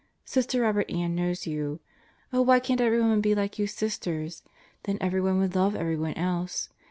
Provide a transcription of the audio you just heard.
Sister Robert Ann knows you. Oh why can't everyone be like you Sisters 1 Then everyone would love everyone else.